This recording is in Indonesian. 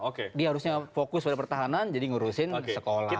iya karena dia harusnya fokus pada pertahanan jadi menguruskan sekolah